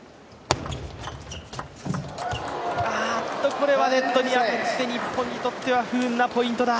これは、ネットに当たって日本にとっては不運なポイントだ。